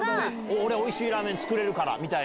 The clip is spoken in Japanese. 俺、おいしいラーメン作れるからみたいな。